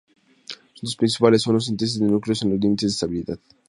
Sus intereses principales son la síntesis de núcleos en los límites de estabilidad.